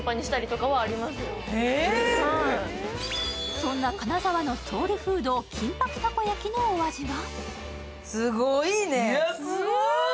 そんな金沢のソウルフード金箔たこ焼のお味は？